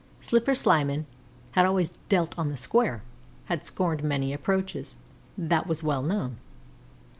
Slipper Slyman had always dealt on the square, had scorned many approaches that was well known.